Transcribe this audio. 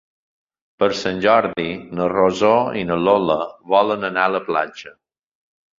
Per Sant Jordi na Rosó i na Lola volen anar a la platja.